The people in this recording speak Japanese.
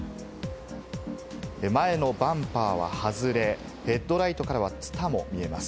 前のバンパーは外れ、ヘッドライトからはツタも見えます。